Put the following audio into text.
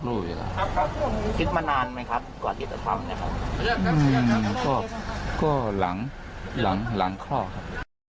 อืมก็หลังคลอครับ